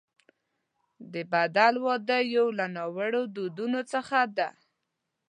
د بدل واده یو له ناوړه دودونو څخه دی.